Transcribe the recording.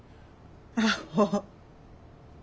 アホ。